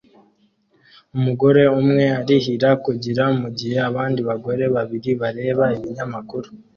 Umugore umwe arihira kugura mugihe abandi bagore babiri bareba ibinyamakuru